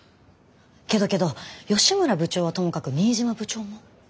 けどけど吉村部長はともかく新島部長も？